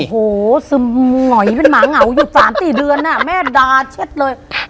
โอ้โหซึมหงอยเป็นหมาเหงาอยู่๓๔เดือนแม่ดาเช็ดเลย